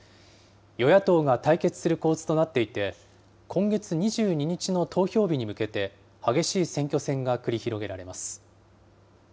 与野党が対決する構図となっていて、今月２２日の投票日に向けて、激しい選挙戦が繰り広げられます。